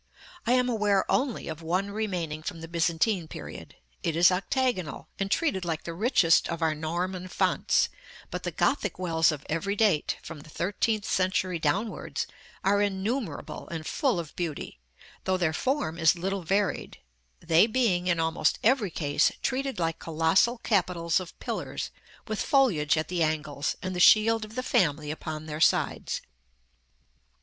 I am aware only of one remaining from the Byzantine period; it is octagonal, and treated like the richest of our Norman fonts: but the Gothic wells of every date, from the thirteenth century downwards, are innumerable, and full of beauty, though their form is little varied; they being, in almost every case, treated like colossal capitals of pillars, with foliage at the angles, and the shield of the family upon their sides.